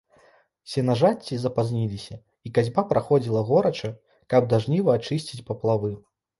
Сенажаці запазніліся, і касьба праходзіла горача, каб да жніва ачысціць паплавы.